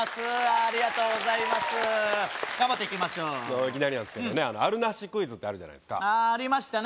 ありがとうございます頑張っていきましょういきなりなんですけどもねあるなしクイズってあるじゃないすかああありましたね